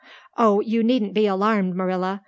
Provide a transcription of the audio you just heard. Oh, you needn't be alarmed, Marilla.